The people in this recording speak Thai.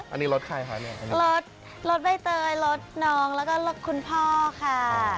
อันนี้รถใครคะเนี่ยรถรถใบเตยรถน้องแล้วก็รถคุณพ่อค่ะ